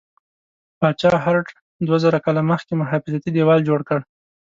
پاچا هرډ دوه زره کاله مخکې محافظتي دیوال جوړ کړ.